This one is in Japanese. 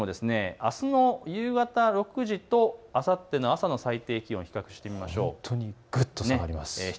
そのほかの各地もあすの夕方６時とあさっての朝の最低気温を比較して見てみましょう。